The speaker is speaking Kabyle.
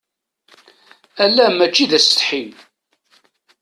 Ala mačči d asetḥi.